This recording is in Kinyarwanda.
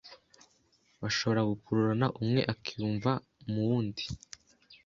bashobora gukururana umwe akiyumva mu wundi.